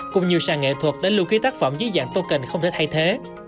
cũng như sàng nghệ thuật đã lưu ký tác phẩm dưới dạng token không thể thay thế